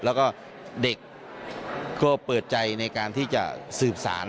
แล้วก็เด็กก็เปิดใจในการที่จะสืบสาร